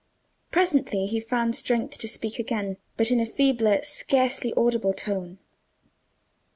Presently he found strength to speak again, but in a feebler, scarcely audible tone.